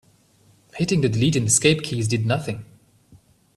Hitting the delete and escape keys did nothing.